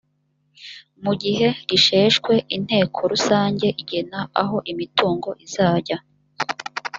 mu gihe risheshwe inteko rusange igena aho imitungo izajya